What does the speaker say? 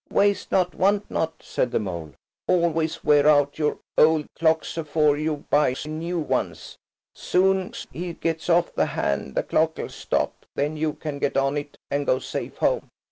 "Waste not, want not," said the mole. "Always wear out your old clocks afore you buys new 'uns. Soon's he gets off the hand the clock'll stop; then you can get on it and go safe home."